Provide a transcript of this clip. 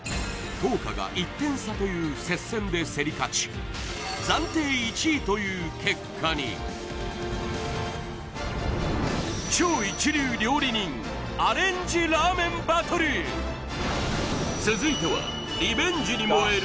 灯花が１点差という接戦で競り勝ち暫定１位という結果に続いてはリベンジに燃える